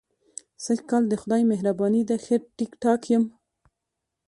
سږ کال د خدای مهرباني ده، ښه ټیک ټاک یم.